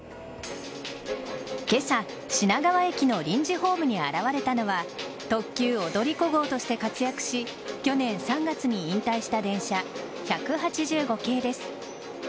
今朝、品川駅の臨時ホームに現れたのは特急・踊り子号として活躍し去年３月に引退した電車１８５系です。